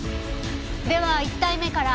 では１体目から。